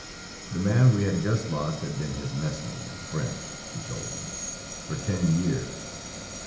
The man we had just lost had been his messmate and friend, he told me, for ten years.